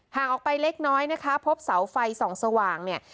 ห่างออกไปเล็กน้อยนะคะพบเสาไฟส่องสว่างเนี่ย